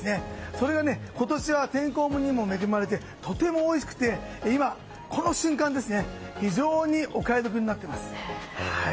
それが今年は天候にも恵まれてとてもおいしくて、今、この瞬間非常にお買い得になっています。